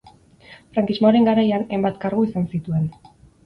Frankismoaren garaian, hainbat kargu izan zituen.